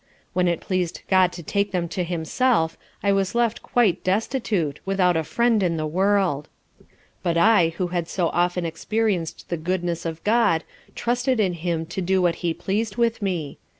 When it pleased God to take them to Himself, I was left quite destitute, without a friend in the world. But I who had so often experienced the Goodness of GOD, trusted in Him to do what He pleased with me.